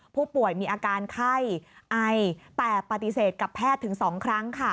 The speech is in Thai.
ผู้ป่วยมีอาการไข้ไอแต่ปฏิเสธกับแพทย์ถึง๒ครั้งค่ะ